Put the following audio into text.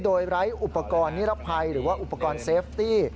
โดยไร้อุปกรณ์นิรภัยหรือว่าอุปกรณ์เซฟตี้